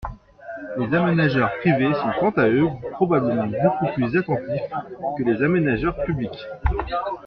Les aménageurs privés sont quant à eux probablement beaucoup plus attentifs que les aménageurs publics.